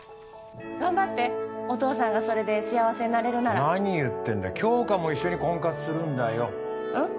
頑張ってお父さんがそれで幸せになれるなら何言ってんだ杏花も一緒に婚活するんだようん？